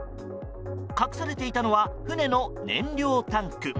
隠されていたのは船の燃料タンク。